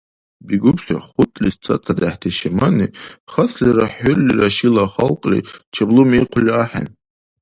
Бигубси хутӀлис цацадехӀти шимани, хаслира ХӀуллила шила халкьли чеблуми ихъули ахӀен.